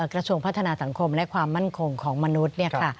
กระชวงพัฒนาสังคมและความมั่นคงของมนุษย์